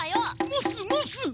モスモス！